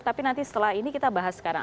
tapi nanti setelah ini kita bahas sekarang